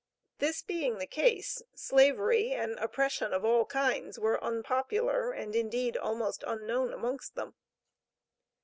This being the case, slavery and oppression of all kinds were unpopular, and indeed almost unknown amongst them.